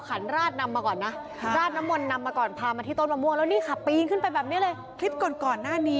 สุดท้ายผ่านมามีแหลกแหย่งเมื่อกี๊เดี๋ยวก็ได้